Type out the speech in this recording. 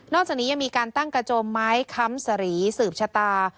จากนี้ยังมีการตั้งกระโจมไม้ค้ำสรีสืบชะตา